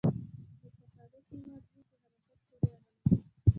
متحرک انرژی په حرکت پورې اړه لري.